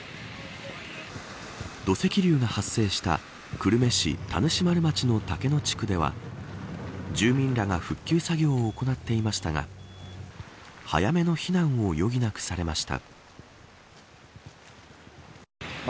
土石流が発生した久留米市田主丸町の竹野地区では住民が復旧作業を行っていましたが早めの避難を余儀なくされました。